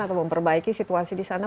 atau memperbaiki situasi di sana